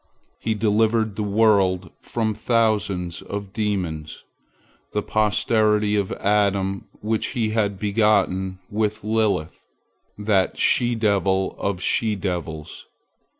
He delivered the world from thousands of demons, the posterity of Adam which he had begotten with Lilith, that she devil of she devils.